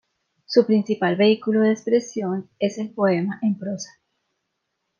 Su principal vehículo de expresión es el poema en prosa.